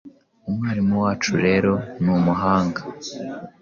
Umwarimu wacu rero numuhanga